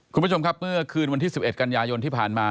คุณผู้ชมครับเมื่อคืนวันที่๑๑กันยายนที่ผ่านมา